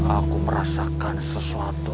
aku merasakan sesuatu